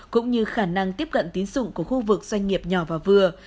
cũng như khả năng tiếp cận tín dụng của khu vực doanh nghiệp nhỏ và vừa